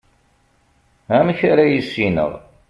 amek ara yissineɣ